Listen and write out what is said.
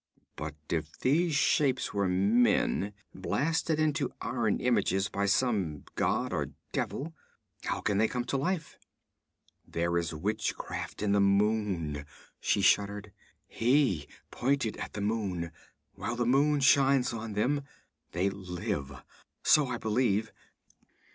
'But if these shapes were men, blasted into iron images by some god or devil, how can they come to life?' 'There is witchcraft in the moon,' she shuddered. 'He pointed at the moon; while the moon shines on them, they live. So I believe.'